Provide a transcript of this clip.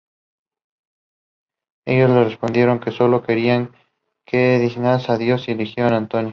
Ellos le respondieron que sólo querían al que designara Dios y eligiera Antonio.